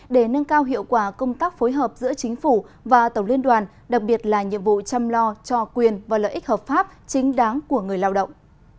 để nâng cao hiệu quả công tác phối hợp giữa chính phủ và tổng liên đoàn đặc biệt là nhiệm vụ chăm lo cho quyền và lợi ích hợp pháp chính đáng của người lao động